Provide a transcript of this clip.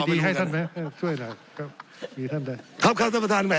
สับขาหลอกกันไปสับขาหลอกกันไป